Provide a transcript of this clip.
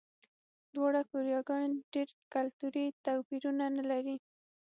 دواړه کوریاګانې ډېر کلتوري توپیرونه نه لري.